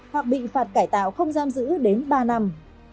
hoặc bị phạt cải tạo không giam giữ đến ba năm